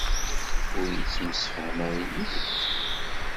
Ur yettemsefham ara yid-k?